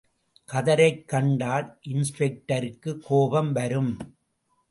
கதரைக் கண்டால் இன்ஸ்பெக்டருக்கு கோபம் வரும்.